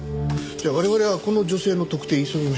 じゃあ我々はこの女性の特定急ぎましょう。